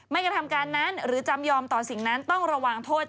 ไม่เกิน๓ปีเอาให้ง่าย